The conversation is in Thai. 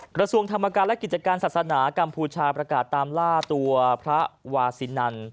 กระทรวงธรรมการและกิจการศาสนากัมพูชาประกาศตามล่าตัวพระวาซินัน